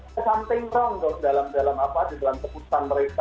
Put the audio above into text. ada sesuatu yang salah dalam dalam apa di dalam tepukan mereka gitu